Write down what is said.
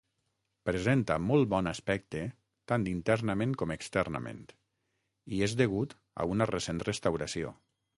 Presenta molt bon aspecte tant internament com externament, i és degut a una recent restauració.